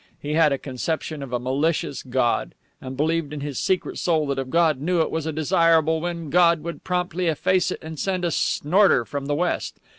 He had a conception of a malicious God, and believed in his secret soul that if God knew it was a desirable wind, God would promptly efface it and send a snorter from the west.